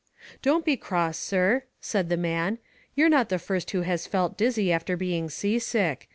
"Don't be cross, sir, said the man. You're not the first who has felt dizzy after being sea sick.